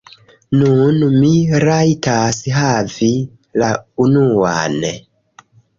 Nun mi rajtas havi la unuan...